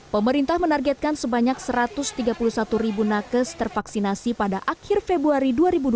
pemerintah menargetkan sebanyak satu ratus tiga puluh satu ribu nakes tervaksinasi pada akhir februari dua ribu dua puluh